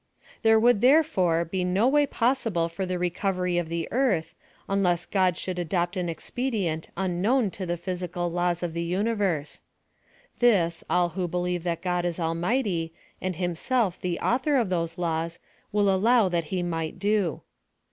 There would, therefore, be no way possible for IS4 PHILOSOPHY OF THE the recovery of the earth, unless God should adopt an expedient unknown to the physical laws of thti universe. (This, all who believe that God is Al mighty, and Himself the author of those laws, will allow that he niicrht do.)